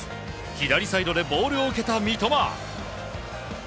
左サイドでボールを受けた三笘。